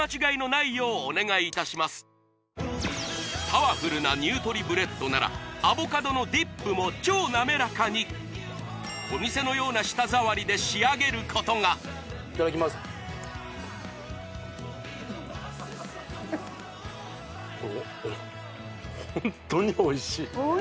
パワフルなニュートリブレットならアボカドのディップも超なめらかにお店のような舌触りで仕上げることがこれおおいしい！